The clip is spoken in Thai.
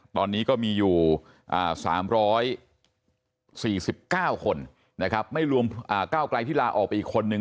ตอนนี้ก็มีอยู่๓๔๙คนนะครับไม่รวมก้าวไกลที่ลาออกไปอีกคนนึง